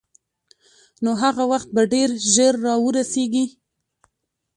نو هغه وخت به ډېر ژر را ورسېږي.